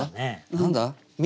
何だ？